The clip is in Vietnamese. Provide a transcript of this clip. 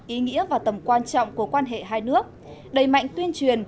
ý nghĩa và tầm quan trọng của quan hệ hai nước đẩy mạnh tuyên truyền